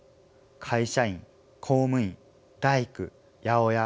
会社員公務員大工八百屋